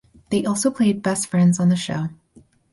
They also played best friends on the show.